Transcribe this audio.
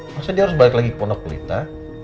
maksudnya dia harus balik lagi ke ponokulita